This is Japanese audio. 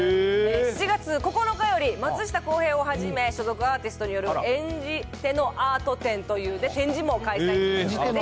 ７月９日より、松下洸平をはじめ、所属アーティストによるエンジテノアート展という展示も開催中です。